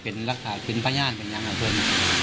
เป็นลักษณะเป็นประญาณเป็นอย่างอ่ะเพื่อน